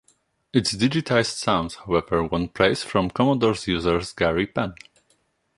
Its digitised sounds, however, won praise from "Commodore User"s Gary Penn.